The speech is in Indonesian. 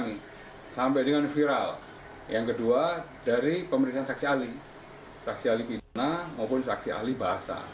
ini sampai dengan viral yang kedua dari pemeriksaan saksi ahli saksi ahli pidana maupun saksi ahli bahasa